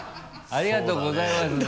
ありがとうございますね。